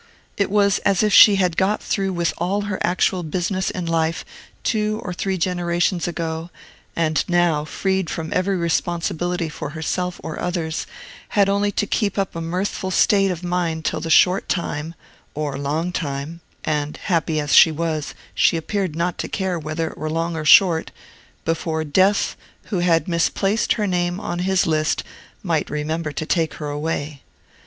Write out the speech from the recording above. It was as if she had got through with all her actual business in life two or three generations ago, and now, freed from every responsibility for herself or others, had only to keep up a mirthful state of mind till the short time, or long time (and, happy as she was, she appeared not to care whether it were long or short), before Death, who had misplaced her name in his list, might remember to take her away.